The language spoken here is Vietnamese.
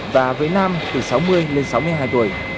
và với nam từ sáu mươi lên sáu mươi hai tuổi